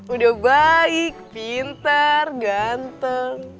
udah baik pintar ganteng